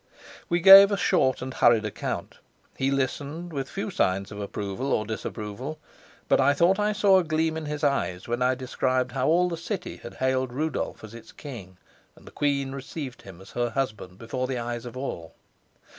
We gave a short and hurried account. He listened with few signs of approval or disapproval, but I thought I saw a gleam in his eyes when I described how all the city had hailed Rudolf as its king and the queen received him as her husband before the eyes of all.